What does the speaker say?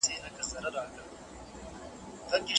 فشار د پریکړې توان اغېزمنوي.